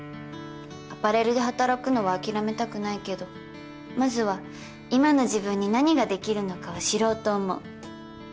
アパレルで働くのは諦めたくないけどまずは今の自分に何ができるのかを知ろうと思う。